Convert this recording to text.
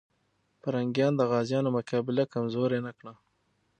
پرنګیان د غازيانو مقابله کمزوري نه کړه.